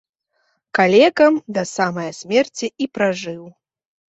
Калекам да самае смерці і пражыў.